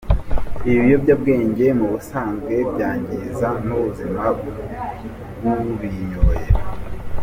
Ibiyobyabwenge mu busanzwe byangiza n’ubuzima bw’ubinyoye.